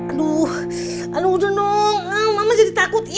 aduh aduh mama jadi takut